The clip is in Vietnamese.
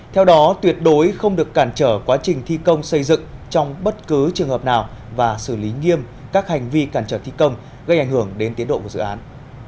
theo đó tuyệt đối không được cản trở quá trình thi công xây dựng trong bất cứ trường hợp nào và xử lý nghiêm các hành vi cản trở thi công gây ảnh hưởng đến tiến độ của dự án